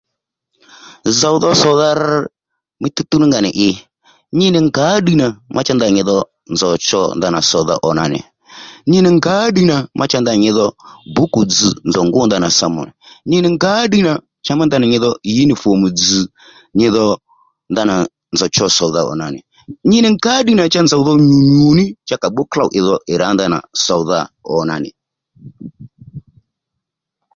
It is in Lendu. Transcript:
Zòw dho sòdha rr mí tǔwtǔw ní nga nì i nyi nì ngǎ ddiy nà má cha nyi dho nzòw cho ndanà sòdha ò nànì nyi nì ngǎ ddiy nà mà cha nyi dho bǔkù dzz nzòw ngú ndanà sòmò nì nyi nì ngǎ ddiy nà cha má ndanà nyidho unifom dzz̀ nyi dho ndanà nzòw cho sòdha ò nànì nyi nì ngǎ ddiy nà cha nzòw dho nyù nyùní cha kà bbú klôw ì dho ì rǎ ndanà sòdha ò nà nì